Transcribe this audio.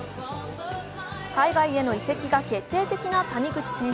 海外への移籍が決定的な谷口選手。